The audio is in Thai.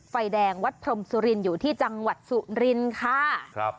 ไฟแดงวัดพรมสุรินทร์อยู่ที่จังหวัดสุรินทร์ค่ะ